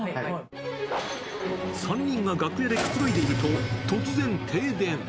３人が楽屋でくつろいでいると、突然、停電。